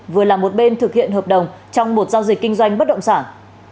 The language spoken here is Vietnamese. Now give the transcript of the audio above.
vừa là một bên thực hiện hợp đồng trong một giao dịch kinh doanh bất động sản